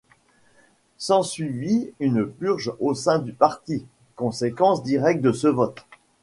S'ensuivit une purge au sein du parti, conséquence directe de ce vote.